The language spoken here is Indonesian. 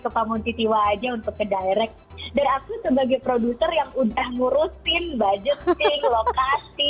ke pamuntitiwa aja untuk ke direct dan aku sebagai produser yang udah ngurusin budget